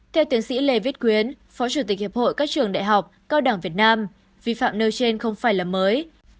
theo tiến sĩ lê viết quyến phó chủ tịch hiệp hội các trường đại học cao đẳng việt nam vi phạm nêu trên không phải là mới